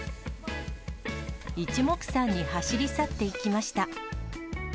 いちもくさんに走り去っていきました。